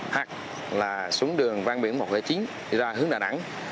hoặc là xuống đường ven biển một trăm linh chín đi ra hướng đà nẵng